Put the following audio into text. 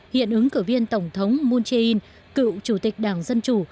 hiện ứng cử viên tổng thống moon jae in cựu chủ tịch đảng dân chủ